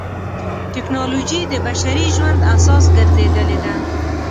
ټکنالوجي د بشري ژوند اساس ګرځېدلې ده.